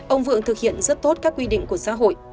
ông vượng thực hiện rất tốt các quy định của xã hội